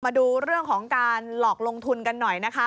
มาดูเรื่องของการหลอกลงทุนกันหน่อยนะคะ